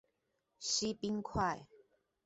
西濱快